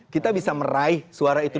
kita bisa meraih suara itu